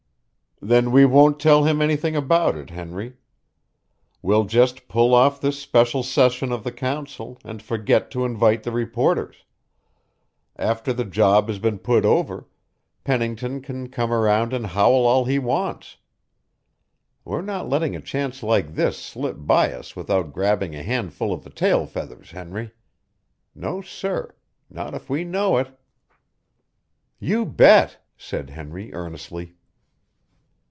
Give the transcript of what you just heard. "Then we won't tell him anything about it, Henry. We'll just pull off this special session of the council and forget to invite the reporters; after the job has been put over, Pennington can come around and howl all he wants. We're not letting a chance like this slip by us without grabbing a handful of the tail feathers, Henry. No, sir not if we know it." "You bet!" said Henry earnestly.